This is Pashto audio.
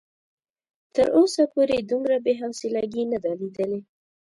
تر اوسه پورې دومره بې حوصلګي نه ده ليدلې.